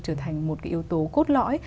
trở thành một yếu tố cốt lõi